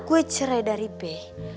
gue cerai dari be